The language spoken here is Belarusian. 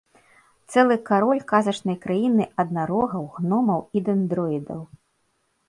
Цэлы кароль казачнай краіны аднарогаў, гномаў і дэндроідаў!